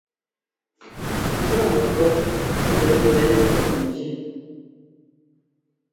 Mbɔ́ŋkʉ̈ɔ gɛ mbɛn mbɔt njí.